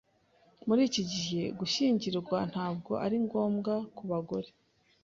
Muri iki gihe gushyingirwa ntabwo ari ngombwa ku bagore.